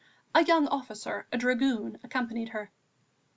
A young officer, a dragoon, accompanied her.